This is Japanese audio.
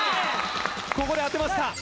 ここで当てました！